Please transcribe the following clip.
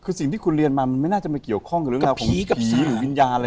คือสิ่งที่คุณเรียนมามันไม่น่าจะมาเกี่ยวข้องกับเรื่องราวของผีกับสีหรือวิญญาณอะไร